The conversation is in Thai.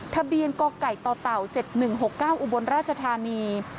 ทะเบียนกไก่ตเต่า๗๑๖๙อุบลราชธานี